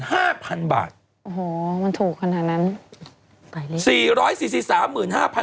โอ้โหมันถูกขนาดนั้น